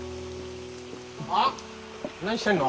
あっ何してんの？